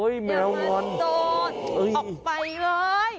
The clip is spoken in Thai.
อย่ามาโดนออกไปเลย